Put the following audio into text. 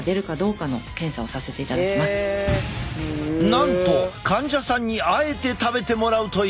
なんと患者さんにあえて食べてもらうという！